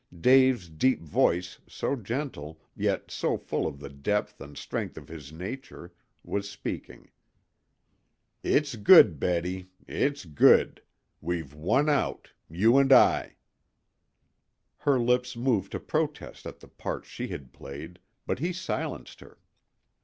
Dave's deep voice, so gentle, yet so full of the depth and strength of his nature, was speaking. "It's good, Betty. It's good. We've won out you and I." Her lips moved to protest at the part she had played, but he silenced her.